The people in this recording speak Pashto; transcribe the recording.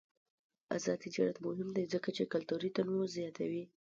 آزاد تجارت مهم دی ځکه چې کلتوري تنوع زیاتوي.